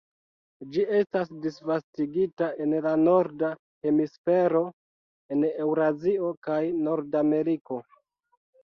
Ĝi estas disvastigita en la Norda hemisfero en Eŭrazio kaj Nordameriko.